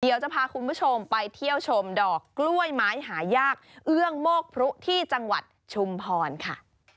เดี๋ยวจะพาคุณผู้ชมไปเที่ยวชมดอกกล้วยไม้หายากเอื้องโมกพรุที่จังหวัดชุมพรค่ะ